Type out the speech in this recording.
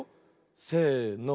せの。